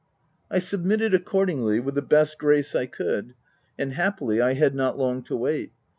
I submitted accordingly, with the best grace I could ; and happily, I had not long to wait.